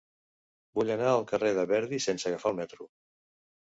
Vull anar al carrer de Verdi sense agafar el metro.